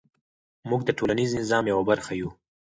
موږ د ټولنیز نظام یوه برخه یو.